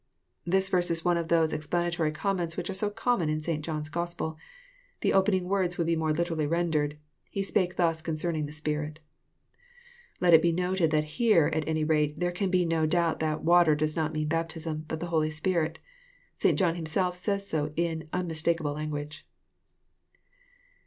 ] This verse is one of those explanatory comments which are so common in St. John's Gospel. The opening words would be more literally rendered, '* He spake this concerning the Spirit. Let it be noted that here, at any rate, there can be no doubt that " water" does not mean " baptism," but the Holy Spirit. — St. John himself says so in unmistakable language.